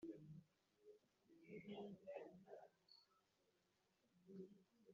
w ingabo yapfuye j nuko hadadi abwira farawo ati nsezerera k njye mu gihugu cyanjye